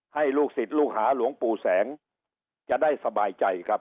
ลูกศิษย์ลูกหาหลวงปู่แสงจะได้สบายใจครับ